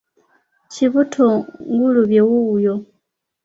Kibuto ngulube wuuyo!